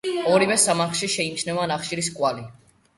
ორივე სამარხში შეიმჩნევა ნახშირის კვალი.